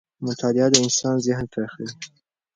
مطالعه د انسان ذهن پراخوي